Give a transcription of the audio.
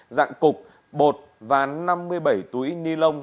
dạng cục bột và năm mươi bảy túi ni lông